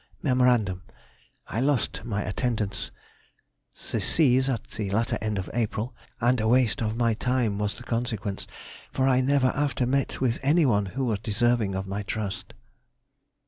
Mem. I lost my attendants, the C.'s, at the latter end of April, and a waste of my time was the consequence, for I never after met with anyone who was deserving of my trust.